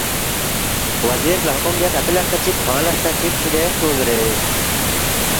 وزیر لہ حکم بیاس اپی لہ ہرتا چِک کھوانگ لہ ہرتا چِک کِھدے سونگ زیرے